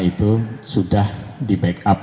itu sudah di backup